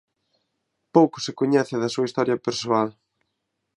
Pouco se coñece da súa historia persoal.